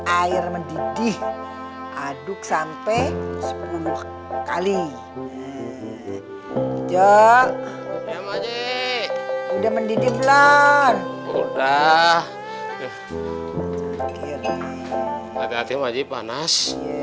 air mendidih aduk sampai sepuluh kali jok udah mendidih blor udah hati hati maji panas